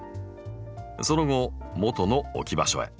その後もとの置き場所へ。